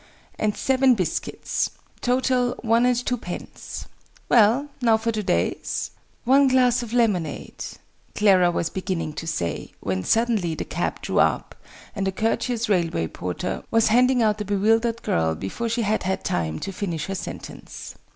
and seven biscuits. Total one and two pence. Well, now for to day's?" "One glass of lemonade " Clara was beginning to say, when suddenly the cab drew up, and a courteous railway porter was handing out the bewildered girl before she had had time to finish her sentence.